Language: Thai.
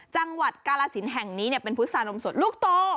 จังหวัดกาลสินแห่งนี้เป็นพุษานมสดลูกโต